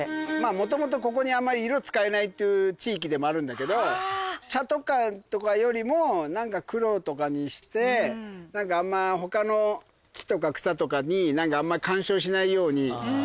もともとここにあんまり色使えないという地域でもあるんだけど茶とかよりも黒とかにしてあんま他の木とか草とかにあんまり干渉しないように。